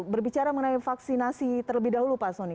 berbicara mengenai vaksinasi terlebih dahulu pak soni